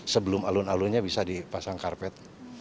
sebelum alun alunnya bisa dipasang karpet